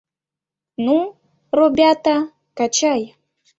— Ну, робята, качай!